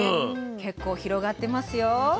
結構広がってますよ。